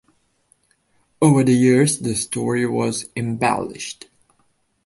Over the years, the story was embellished.